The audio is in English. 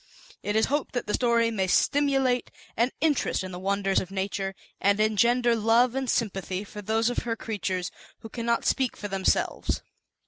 It is hoped that the story may stimulate an in terest in the Wonders of Nature, and engender love and sympathy for those of Her creatures who cannot speak for themselves.